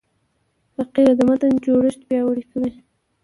فقره د متن جوړښت پیاوړی کوي.